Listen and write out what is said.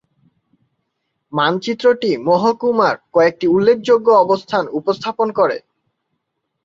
মানচিত্রটি মহকুমার কয়েকটি উল্লেখযোগ্য অবস্থান উপস্থাপন করে।